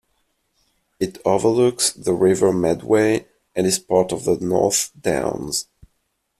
It overlooks the River Medway and is part of the North Downs.